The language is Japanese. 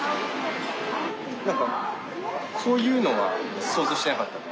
そういうのは想像してなかったね。